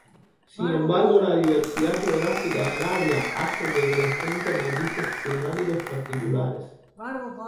Sin embargo la diversidad geográfica del área hace que presente matices climáticos particulares.